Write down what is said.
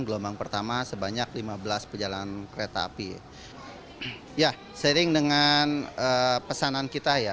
gelombang pertama sebanyak lima belas perjalanan